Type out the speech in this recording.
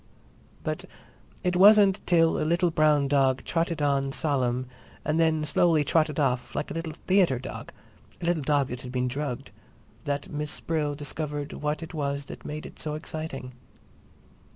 But it wasn't till a little brown dog trotted on solemn and then slowly trotted off, like a little "theatre" dog, a little dog that had been drugged, that Miss Brill discovered what it was that made it so exciting.